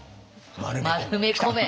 「丸めこめ」。